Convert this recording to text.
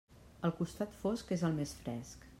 El costat fosc és el més fresc.